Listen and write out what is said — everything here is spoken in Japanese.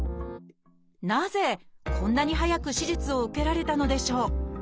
なぜこんなに早く手術を受けられたのでしょう？